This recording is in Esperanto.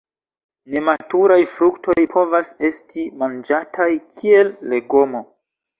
Nematuraj fruktoj povas esti manĝataj kiel legomo.